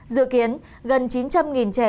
dự kiến gần chín trăm linh trẻ